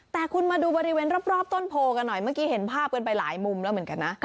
แต่คุณมาดูบริเวณรอบต้นโพกันหน่อยเมื่อกี้เห็นภาพกันไปหลายมุมแล้วเหมือนกันนะ